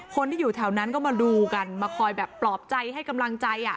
คนที่อยู่แถวนั้นก็มาดูกันมาคอยแบบปลอบใจให้กำลังใจ